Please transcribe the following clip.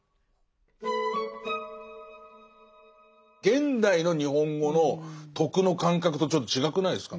現代の日本語の徳の感覚とちょっと違くないですか？